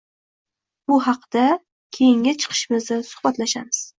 Bu haqda keyingi chiqishimizda suhbatlashamiz.